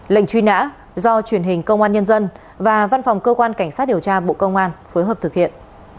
lệnh truy nã do truyền hình công an nhân dân và văn phòng cơ quan cảnh sát điều tra bộ công an phối hợp thực hiện